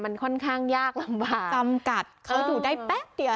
มันค่อนข้างยากลำบากจำกัดเขาอยู่ได้แป๊บเดียว